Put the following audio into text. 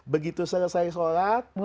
begitu selesai sholat